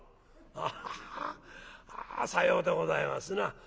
「アハハあさようでございますな。